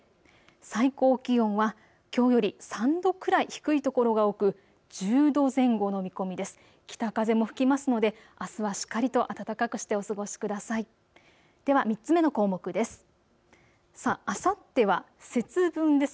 最高気温はきょうより３度くらい低い所が多く１０度前後の見込みです。